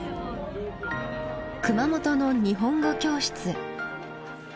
熊本の日本語教室。